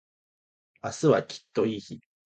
明日はきっといい日